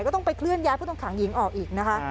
ก็ต้องไปเคลื่อย้ายผู้ต้องขังหญิงออกอีกนะคะ